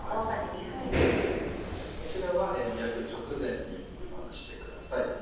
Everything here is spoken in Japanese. こちらは焼く直前にまぶしてください。